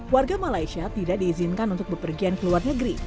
warga malaysia tidak diizinkan untuk bepergian ke luar negeri